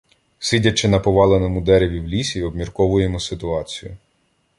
Сидячи на поваленому дереві в лісі, обмірковуємо ситуацію.